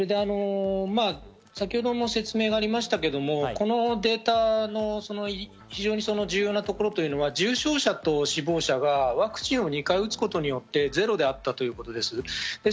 先程も説明がありましたけど、このデータの非常に重要なところというのは重症者と死亡者がワクチンを２回打つことによって、ゼロであったということです。